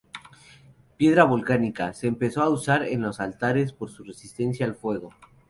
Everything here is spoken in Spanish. Piedra volcánica, se empezó a usar en los altares por su resistencia al fuego.